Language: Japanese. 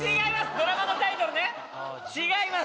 ドラマのタイトルね違います